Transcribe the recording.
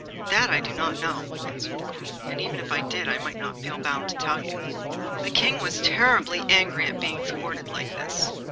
'That I do not know,' answered the Queen; 'and even if I did, I might not feel bound to tell you.' The King was terribly angry at being thwarted like this.